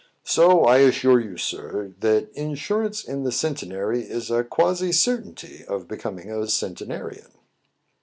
So, I assure you, sir, that insurance in the Centenary is a quasi certainty of becoming a centenarian."